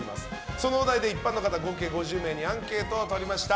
そのお題で一般の方合計５０名にアンケートを取りました。